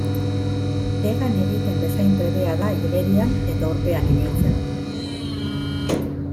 Hegan egiten bezain trebea da igerian eta urpean ibiltzen.